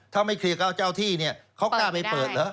ถ้าไม่เคลียร์กับเจ้าที่เนี่ยเขากล้าไปเปิดเหรอ